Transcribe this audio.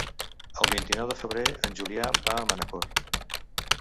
El vint-i-nou de febrer en Julià va a Manacor.